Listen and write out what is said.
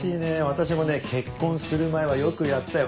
私もね結婚する前はよくやったよ。